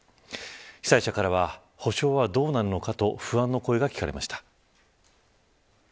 被災者からは補償はどうなるのかと不安の声が聞かれました。